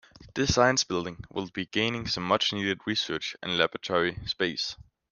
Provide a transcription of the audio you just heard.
This science building will be gaining some much needed research and laboratory space.